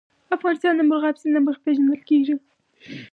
افغانستان د مورغاب سیند له مخې پېژندل کېږي.